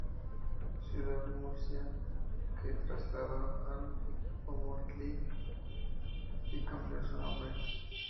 Ciudad de Murcia, que traslado el equipo a Motril y cambio su nombre.